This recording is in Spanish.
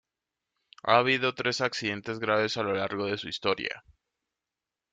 Ha habido tres accidentes graves a lo largo de su historia.